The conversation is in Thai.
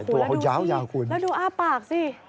แล้วดูอ้าปากสิ